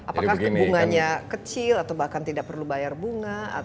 apakah bunganya kecil atau bahkan tidak perlu bayar bunga